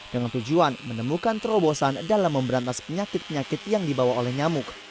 dengan tujuan menemukan terobosan dalam memberantas penyakit penyakit yang dibawa oleh nyamuk